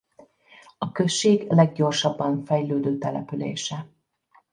A község leggyorsabban fejlődő települése.